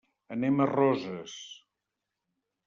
Anem a Roses.